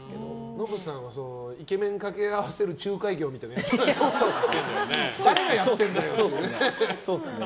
ノブさんはイケメン掛け合わせる仲介業みたいなのやってたんだね。